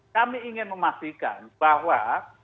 kami ingin memastikan bahwa